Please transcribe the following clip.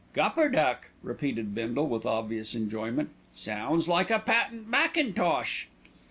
"Gupperduck!" repeated Bindle with obvious enjoyment. "Sounds like a patent mackintosh."